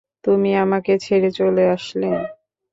তুমি আমাকে ছেড়ে চলে আসলে।